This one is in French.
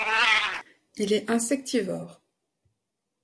Il est insectivore.